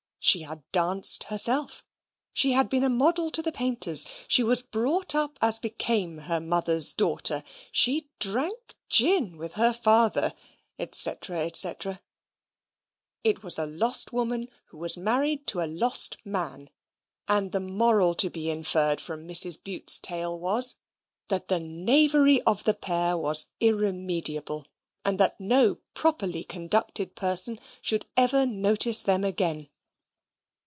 She had danced herself. She had been a model to the painters. She was brought up as became her mother's daughter. She drank gin with her father, &c. &c. It was a lost woman who was married to a lost man; and the moral to be inferred from Mrs. Bute's tale was, that the knavery of the pair was irremediable, and that no properly conducted person should ever notice them again.